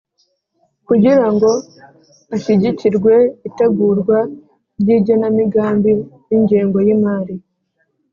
kugirango hashyigikirwe itegurwa ry'igenamigambi n'ingengo y'imari.